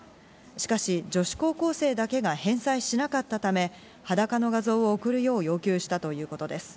しかし女子高生だけが返済しなかったため、裸の画像を送るよう要求したということです。